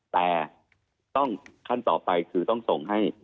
แต่ต้องขั้นต่อไปคือต้องส่งให้